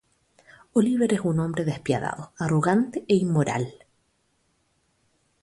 Oliver es un hombre despiadado, arrogante e inmoral.